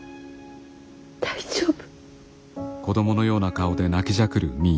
大丈夫。